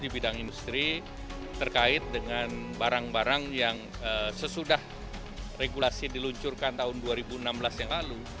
berkait dengan barang barang yang sesudah regulasi diluncurkan tahun dua ribu enam belas yang lalu